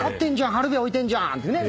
ハルビア置いてんじゃんってね。